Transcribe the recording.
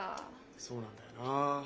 そうなんだよな。